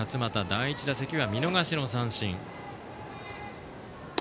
第１打席は見逃しの三振。